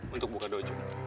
untuk buka dojo